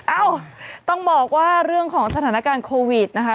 เอ้าต้องบอกว่าเรื่องของสถานการณ์โควิดนะคะ